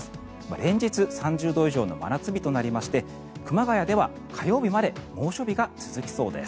連日３０度以上の真夏日となりまして熊谷では火曜日まで猛暑日が続きそうです。